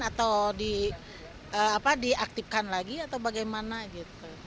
atau diaktifkan lagi atau bagaimana gitu